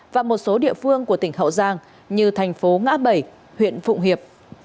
và một số địa phương của tỉnh hậu giang như thành phố ngã bảy huyện phụng hiệp